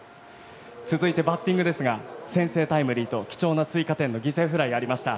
続いてバッティングですが先制タイムリーと貴重な追加点の犠牲フライがありました。